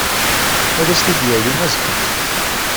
Ad as-t-id-yawi azekka.